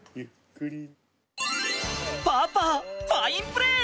パパファインプレー！